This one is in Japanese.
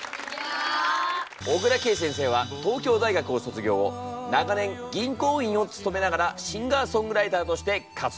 小椋佳先生は東京大学を卒業後長年銀行員を務めながらシンガーソングライターとして活動。